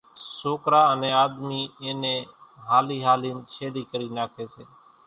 سوڪرا انين آۮمي اِين نين ھالي ھالين شيلي ڪري ناکي سي۔